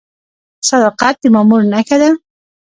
صداقت د مامور نښه ده؟